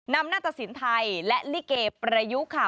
น้ำหน้าตะสินไทยและลิเกประยุค่ะ